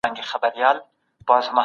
ولي نړیوال قوانین رامنځته سوي؟